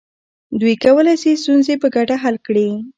دوی کولی سي ستونزې په ګډه حل کړي.